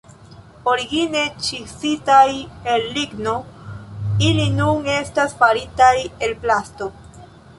Origine ĉizitaj el ligno, ili nun estas faritaj el plasto.